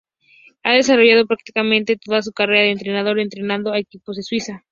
Ha desarrollado prácticamente toda su carrera de entrenador entrenando a equipos de Suiza.